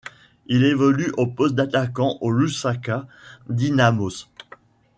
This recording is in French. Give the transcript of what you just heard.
Il évolue au poste d'attaquant au Lusaka Dynamos.